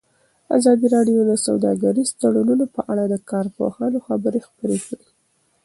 ازادي راډیو د سوداګریز تړونونه په اړه د کارپوهانو خبرې خپرې کړي.